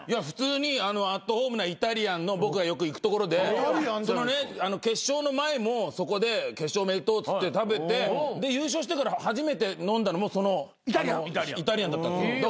普通にアットホームなイタリアンの僕がよく行くところで決勝の前もそこで決勝おめでとうっつって食べてで優勝してから初めて飲んだのもそのイタリアンだったんですよ。